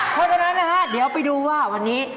เพราะฉะนั้นนะฮะเดี๋ยวไปดูว่าวันนี้